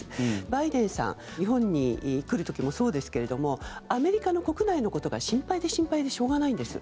バイデンさん日本に来る時もそうですけれどもアメリカの国内のことが心配で心配でしょうがないんです。